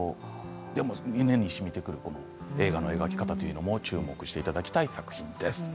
でも胸にしみてくる映画の描き方というのも注目してほしい作品です。